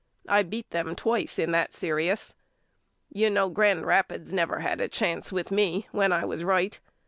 I beat them twice in that serious. You know Grand Rapids never had a chance with me when I was right.